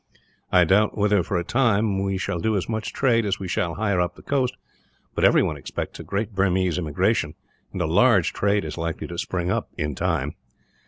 I doubt whether, for a time, we shall do as much trade as we shall higher up the coast; but everyone expects a great Burmese immigration, and a large trade is likely to spring up, in time.